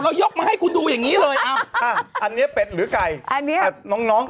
เรายกมาให้คุณดูอย่างงี้เลยอ่าอันนี้เป็ดหรือกัยอันนี้น้องน้อง